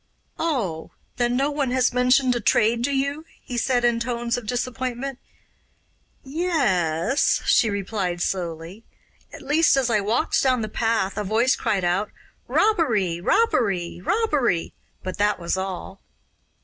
'Oh, then no one has mentioned a trade to you?' he said in tones of disappointment. 'Ye es,' she replied slowly. 'At least, as I walked down the path a voice cried out "Robbery! Robbery! Robbery!" but that was all.